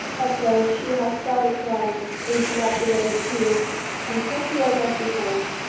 At first she had started crying, then she wiped away her tears, and set to work as before.